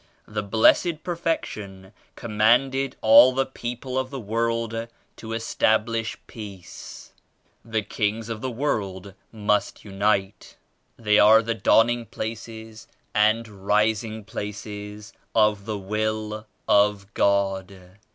The Blessed Perfection commanded all the people of the world to establish Peace. The kings of the world must unite. They are the dawning places and rising places of the Will of 87 God.